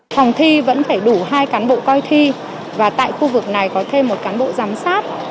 phòng thi vẫn phải đủ hai cán bộ coi thi và tại khu vực này có thêm một cán bộ giám sát